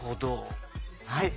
はい。